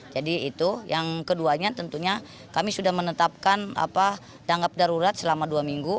jadi itu yang keduanya tentunya kami sudah menetapkan tanggap darurat selama dua minggu